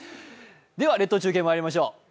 では列島中継、まいりましょう。